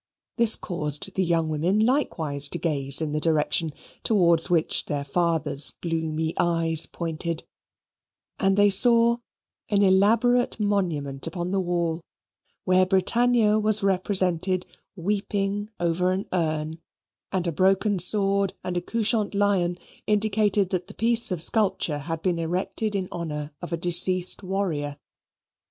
This caused the young women likewise to gaze in the direction towards which their father's gloomy eyes pointed: and they saw an elaborate monument upon the wall, where Britannia was represented weeping over an urn, and a broken sword and a couchant lion indicated that the piece of sculpture had been erected in honour of a deceased warrior.